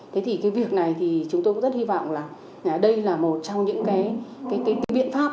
thế thì cái việc này thì chúng tôi cũng rất hy vọng là đây là một trong những cái biện pháp